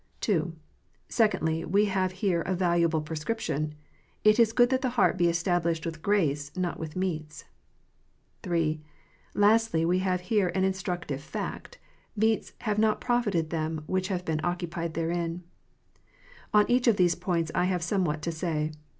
II. Secondly, we have here a valuable prescription : "It is good that the heart be established with grace, not with meats." III. Lastly, we have \icreaiiinstructivefact: Meats "have not profited them which have been occupied therein." On each of these points I have somewhat to say.